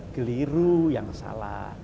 keliru yang salah